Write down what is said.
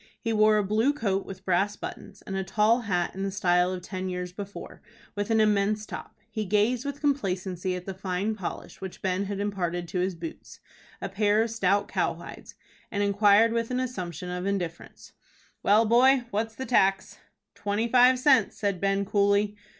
He wore a blue coat with brass buttons, and a tall hat in the style of ten years before, with an immense top. He gazed with complacency at the fine polish which Ben had imparted to his boots, a pair of stout cowhides, and inquired with an assumption of indifference: "Well, boy, what's the tax?" "Twenty five cents," said Ben, coolly.